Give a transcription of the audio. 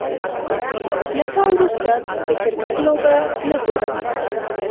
له تا وروسته، د کرکټ لوبه نه ګورم